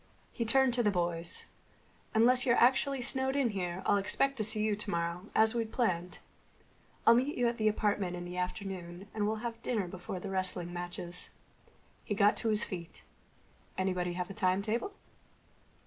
He turned to the boys. "Unless you're actually snowed in here I'll expect to see you tomorrow, as we'd planned. I'll meet you at the apartment in the afternoon, and we'll have dinner before the wrestling matches." He got to his feet. "Anybody have a timetable?"